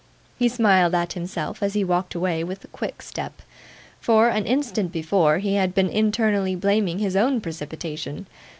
He smiled at himself as he walked away with a quick step; for, an instant before, he had been internally blaming his own precipitation.